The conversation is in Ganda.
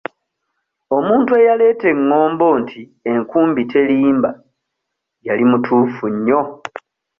"Omuntu eyaleeta engombo nti ""enkumbi terimba"", yali mutuufu nnyo."